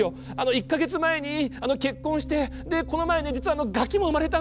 １か月前に結婚してでこの前ね実はガキも生まれたんすよ。